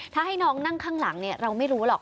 ถ้าให้น้องนั่งข้างหลังเราไม่รู้หรอก